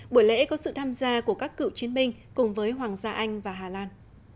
buổi lễ có sự tham gia của các cựu chiến binh cùng với hoàng gia anh và hà lan